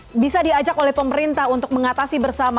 dan semoga ini juga bisa diajak oleh pemerintah untuk mengatasi bersama